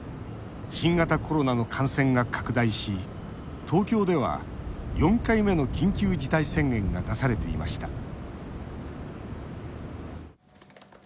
新型コロナの感染が拡大し東京では４回目の緊急事態宣言が出されていました。